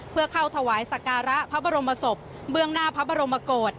เพื่อเข้าถวายสการะพระบรมศพเบื้องหน้าพระบรมโกศ